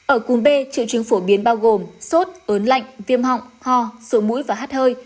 ở cùng b triệu chứng phổ biến bao gồm sốt ớn lạnh viêm họng ho sổ mũi và hát hơi